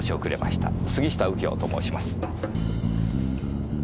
杉下右京と申します。